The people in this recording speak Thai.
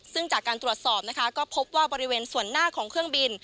ซึ่งจากการตรวจสอบนะคะก็พบว่าบริเวณส่วนหน้าของเครื่องบิน